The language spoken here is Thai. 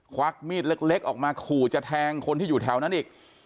ควักมีดเล็กออกมาขู่จะแทงคนที่อยู่แถวนั้นอีก